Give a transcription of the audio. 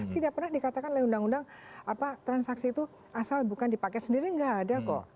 karena dikatakan oleh undang undang transaksi itu asal bukan dipakai sendiri nggak ada kok